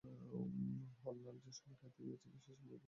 হরলাল যে সময় খাইতে গিয়াছিল সেই সময় বেণু এই কাণ্ড করিয়াছে।